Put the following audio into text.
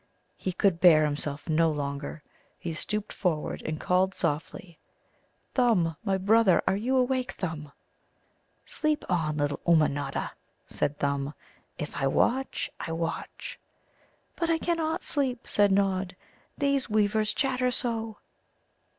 He could bear himself no longer. He stooped forward and called softly: "Thumb, my brother, are you awake, Thumb?" "Sleep on, little Ummanodda," said Thumb; "if I watch, I watch." "But I cannot sleep," said Nod; "these weavers chatter so."